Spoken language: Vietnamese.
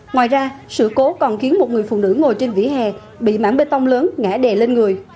ngoài ra sự cố còn khiến một người phụ nữ ngồi trên vỉa hè bị mảng bê tông lớn ngã đè lên người